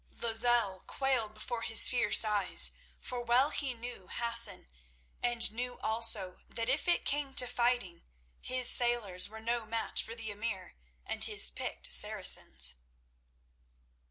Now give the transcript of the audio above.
Lozelle quailed before his fierce eyes, for well he knew Hassan, and knew also that if it came to fighting his sailors were no match for the emir and his picked Saracens.